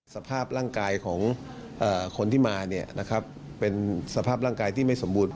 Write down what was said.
สภาพร่างกายของคนที่มาเป็นสภาพร่างกายที่ไม่สมบูรณ